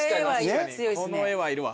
この絵はいるわ。